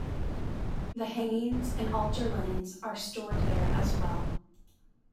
The hangings and altar linens are stored there as well.